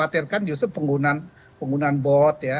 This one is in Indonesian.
khawatirkan justru penggunaan bot ya